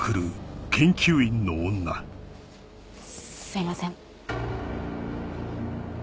すいません。